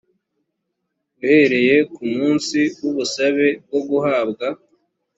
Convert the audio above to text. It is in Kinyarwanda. uhereye ku munsi w ubusabe bwo guhabwa